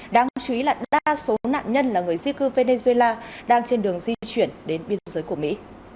đáng chú ý là đa số nạn nhân là người di cư venezuela đang trên đường di chuyển đến biên giới của mỹ